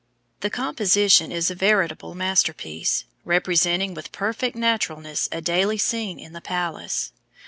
The composition is a veritable masterpiece, representing with perfect naturalness a daily scene in the palace.